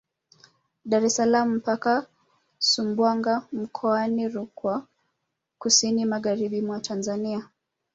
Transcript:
Dar es salaam mpaka Sumbawanga mkoani Rukwa kusini magharibi mwa Tanzania